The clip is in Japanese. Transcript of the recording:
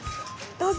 どうぞ。